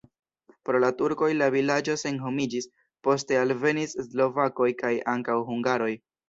Pro la turkoj la vilaĝo senhomiĝis, poste alvenis slovakoj kaj ankaŭ hungaroj.